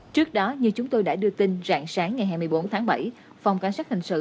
trước đó như chúng tôi đã đưa tin rạng sáng ngày hai mươi bốn tháng bảy phòng cảnh sát hình sự